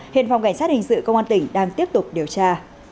hiện phòng cảnh sát hình sự công an tỉnh đang tiếp tục điều tra